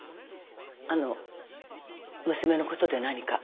あの娘の事で何か？